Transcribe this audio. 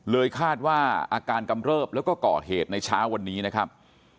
คาดว่าอาการกำเริบแล้วก็ก่อเหตุในเช้าวันนี้นะครับ